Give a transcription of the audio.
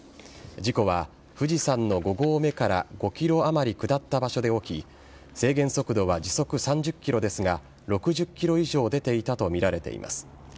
事故は、富士山の５合目から５ｋｍあまり下った場所で起き制限速度は時速３０キロですが６０キロ以上出ていたとみられています。